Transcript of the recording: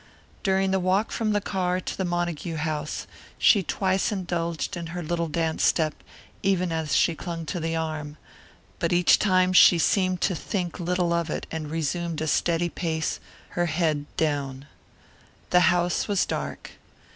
During the walk from the car to the Montague house she twice indulged in her little dance step, even as she clung to the arm, but each time she seemed to think little of it and resumed a steady pace, her head down. The house was dark.